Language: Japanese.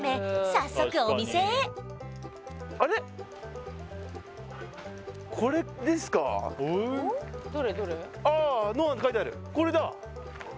早速お店へこれだ！